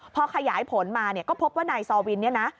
พอขยายผลมาเนี่ยก็พบว่านายซอวินเนี่ยนะ